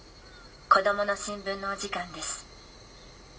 「コドモの新聞」のお時間です。